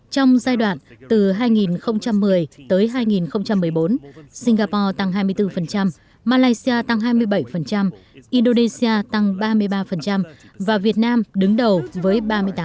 trong giai đoạn từ hai nghìn một mươi tới hai nghìn một mươi bốn singapore tăng hai mươi bốn malaysia tăng hai mươi bảy indonesia tăng ba mươi ba và việt nam đứng đầu với ba mươi tám